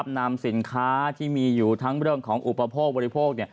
นำสินค้าที่มีอยู่ทั้งเรื่องของอุปโภคบริโภค